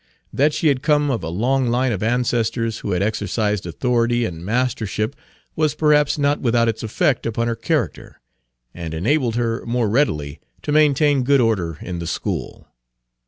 That she had come of a long line of ancestors who had exercised authority and mastership was perhaps not without its effect upon her character, and enabled her more readily to maintain good Page 275 order in the school.